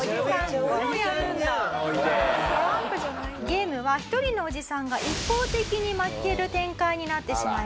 ゲームは１人のおじさんが一方的に負ける展開になってしまいました。